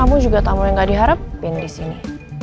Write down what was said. kamu juga tamu yang gak diharapin disini